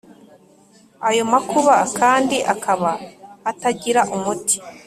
ayo makuba kandi akaba atagira umuti.